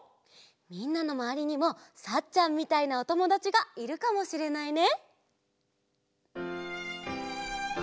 みんなのまわりにも「サッちゃん」みたいなおともだちがいるかもしれないね。